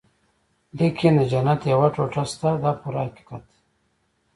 لیکن د جنت یوه ټوټه شته دا پوره حقیقت دی.